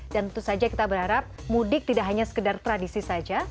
dan itu saja kita berharap mudik tidak hanya sekedar tradisi saja